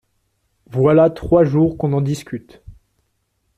Voilà trois jours qu’on en discute.